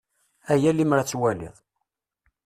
Ay a limer ad twaliḍ!